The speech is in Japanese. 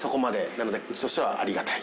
なのでうちとしてはありがたい。